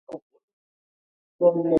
پښتو د ویاړ ژبه ده.